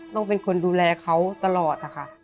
ต้องเป็นคนดูแลเขาตลอดนะคะ